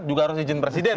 juga harus izin presiden